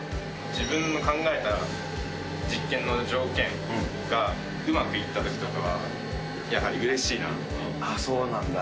自分の考えた実験の条件がうまくいったときとかはやはりうれそうなんだ。